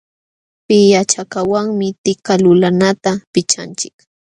Pillachakaqwanmi tika lulanata pichanchik.